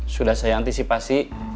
sudah saya antisipasi